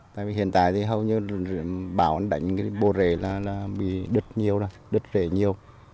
tại vì hiện tại thì hầu như bão đánh bộ rễ là bị đứt nhiều đứt rễ nhiều